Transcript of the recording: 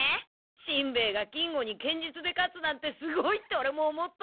しんべヱが金吾に剣術で勝つなんてすごいってオレも思った。